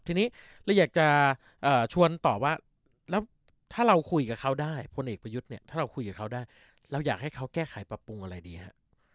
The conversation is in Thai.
ทีนี้เราอยากจะชวนตอบว่าแล้วถ้าเราคุยกับเขาได้พลเอกประยุทธ์เนี่ยถ้าเราคุยกับเขาได้เราอยากให้เขาแก้ไขปรับปรุงอะไรดีฮะ